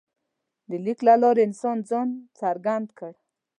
د لیک له لارې انسان ځان څرګند کړ.